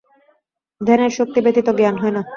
ধ্যানের শক্তি ব্যতীত জ্ঞান হয় না।